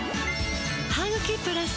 「ハグキプラス」